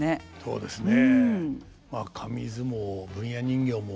そうですね。